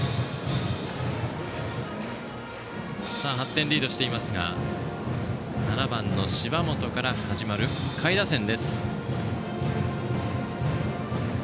８点リードしていますが７番の芝本から始まる下位打線。